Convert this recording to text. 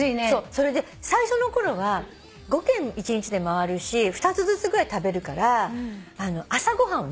それで最初のころは５軒一日で回るし２つずつぐらい食べるから朝ご飯を抜いてたんです。